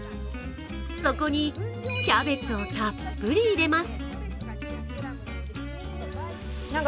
そこにキャベツをたっぷり入れます。